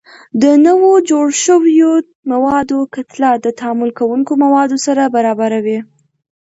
د نوو جوړ شویو موادو کتله د تعامل کوونکو موادو سره برابره وي.